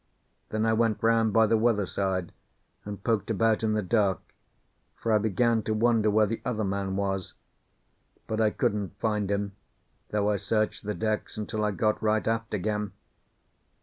Then I went round by the weather side, and poked about in the dark, for I began to wonder where the other man was. But I couldn't find him, though I searched the decks until I got right aft again.